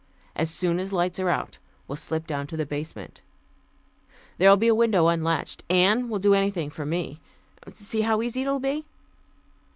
As soon as lights are out, we'll slip down to the basement. There'll be a window unlatched. Ann will do anything for me. See how easy it will be."